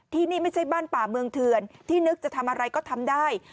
ที่นี่ไม่ใช่บ้านป่าเมืองเถื่อนที่นึกจะทำอะไรก็ทำได้